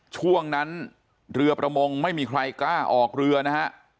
ช่วงนั้นเรือประมงไม่มีใครกล้าออกเรือนะฮะ